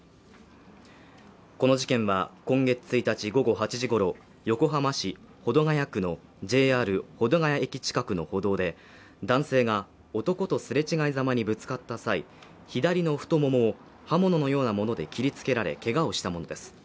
この事件は今月１日午後８時ごろ横浜市保土ケ谷区のＪＲ保土ヶ谷駅近くの歩道で男性が男とすれ違いざまにぶつかった際左の太ももを刃物のようなもので切りつけられけがをしたものです